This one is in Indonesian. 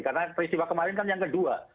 karena peristiwa kemarin kan yang kedua